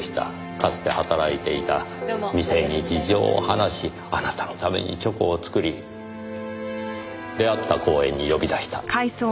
かつて働いていた店に事情を話しあなたのためにチョコを作り出会った公園に呼び出した。